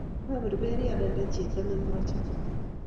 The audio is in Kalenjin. Aberberi anende chito ne machame